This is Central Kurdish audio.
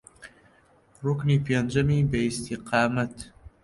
ڕوکنی پێنجەمین بە ئیستیقامەت